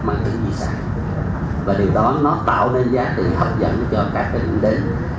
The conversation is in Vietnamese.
mang tính di sản và điều đó nó tạo nên giá trị hấp dẫn cho các hình đến